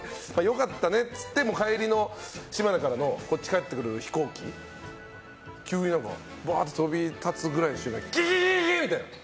良かったねって言って帰りの、島根からのこっちに帰ってくる飛行機が急に、バーッと飛び立つくらいの瞬間にキキキキキーッ！みたいな。